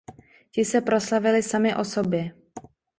Ti se proslavili sami o sobě.